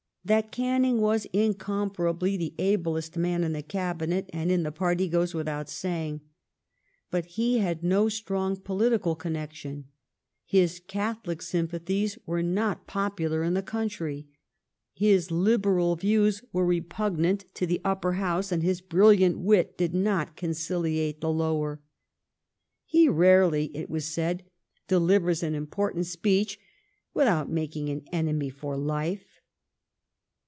That Canning was incomparably the ablest man in the Cabinet and in the party goes without saying. But he had no strong political connection ; his Catholic sympathies were not popular in the country ; his liberal views were repugnant to the Upper House and his brilliant wit did not conciliate the Lower. " He rarely," it was said, " delivers an important speech without making an enemy for Uife."